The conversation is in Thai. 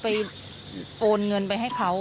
ไปโอนเงินไปให้เขาอ่ะ